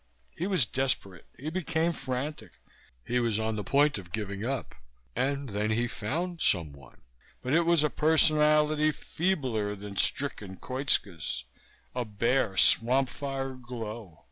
He was desperate; he became frantic; he was on the point of giving up, and then he found someone? But it was a personality feebler than stricken Koitska's, a bare swampfire glow.